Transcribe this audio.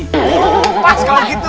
oh pas kalau gitu